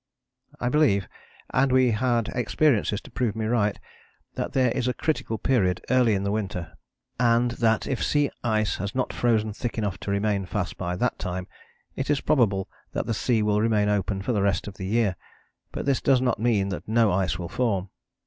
I believe, and we had experiences to prove me right, that there is a critical period early in the winter, and that if sea ice has not frozen thick enough to remain fast by that time, it is probable that the sea will remain open for the rest of the year. But this does not mean that no ice will form.